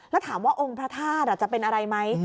แล้วถามว่าองค์พระธาตุจะเป็นอะไรไหม